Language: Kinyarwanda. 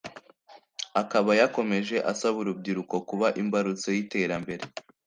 Akaba yakomeje asaba urubyiruko kuba imbarutso y’iterambere